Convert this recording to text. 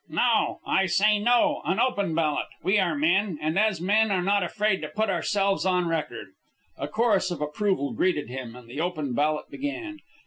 "No! I say no! An open ballot! We are men, and as men are not afraid to put ourselves on record." A chorus of approval greeted him, and the open ballot began.